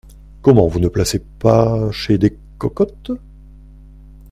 Comment ! vous ne placez pas chez des cocottes !